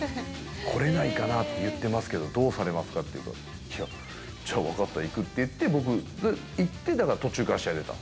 来れないかなって言ってますけど、どうされますかって言うから、じゃあ、分かった、行くって言って、僕、行って、だから途中から試合に出た。